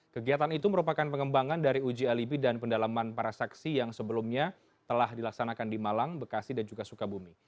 kegiatan itu merupakan pengembangan dari uji alibi dan pendalaman para saksi yang sebelumnya telah dilaksanakan di malang bekasi dan juga sukabumi